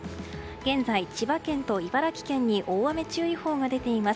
現在、千葉県と茨城県に大雨注意報が出ています。